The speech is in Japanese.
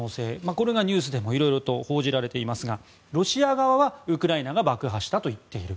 これがニュースでもいろいろと報じられていますがロシア側はウクライナが爆破したと言っている。